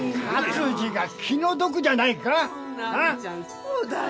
そうだよ。